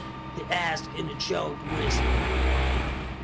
he asked in a choked whisper.